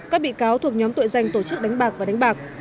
các bị cáo thuộc nhóm tội danh tổ chức đánh bạc và đánh bạc